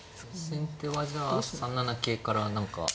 先手はじゃあ３七桂から何かもう。